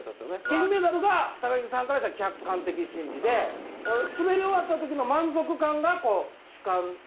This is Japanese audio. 金メダルが木さんからしたら客観的真理で滑り終わった時の満足感がこう主体的真理。